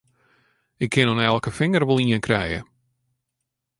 Ik kin oan elke finger wol ien krije!